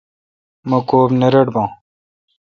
مہ کوب نہ رٹ باں۔